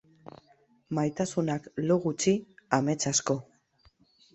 Maitasunak lo gutxi, amets asko.